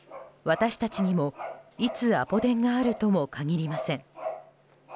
私たちにも、いつアポ電があるとも限りません。